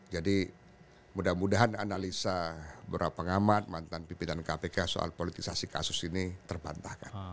jadi mudah mudahan analisa beberapa pengamat mantan pimpinan kpk soal politik kasus ini terpantahkan